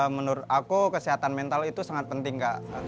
menurut aku kesehatan mental itu sangat penting kak